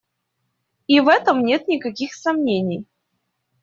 И в этом нет никаких сомнений.